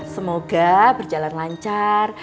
semoga berjalan lancar